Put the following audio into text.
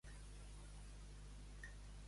Albalat de la Ribera, fes-me lloc que tinc caguera.